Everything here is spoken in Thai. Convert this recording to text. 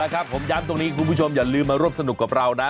ผมย้ำตรงนี้คุณผู้ชมอย่าลืมมาร่วมสนุกกับเรานะ